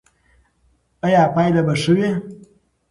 ایا پایله به ښه وي؟